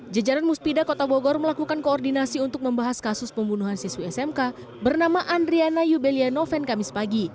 jajaran muspida kota bogor melakukan koordinasi untuk membahas kasus pembunuhan siswi smk bernama andriana yubelia noven kamis pagi